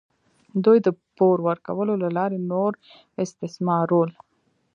دوی د پور ورکولو له لارې نور استثمارول.